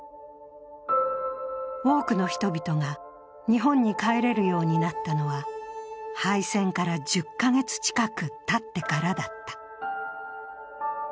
多くの人々が日本に帰れるようになったのは敗戦から１０か月近くたってからだった。